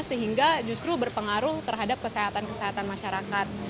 sehingga justru berpengaruh terhadap kesehatan kesehatan masyarakat